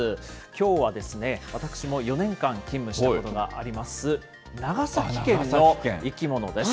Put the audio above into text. きょうは、私も４年間勤務したことがあります、長崎県の生き物です。